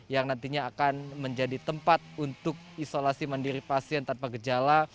yang nantinya akan menjadi tempat untuk isolasi mandiri pasien tanpa gejala